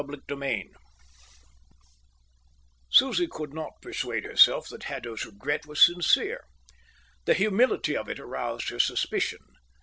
Chapter VIII Susie could not persuade herself that Haddo's regret was sincere. The humility of it aroused her suspicion.